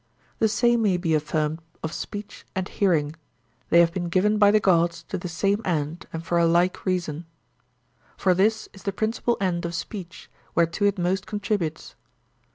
The same may be affirmed of speech and hearing: they have been given by the gods to the same end and for a like reason. For this is the principal end of speech, whereto it most contributes.